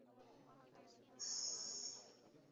আমরা মূল্যবান সময় নষ্ট করছি।